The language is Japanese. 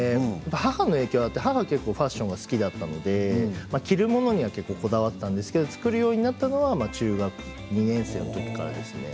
母の影響があって母は結構ファッションが好きだったので着るものにはこだわっていたんですけれども作るようになったのは中学２年生のときからですね。